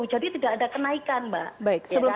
jadi tidak ada kenaikan mbak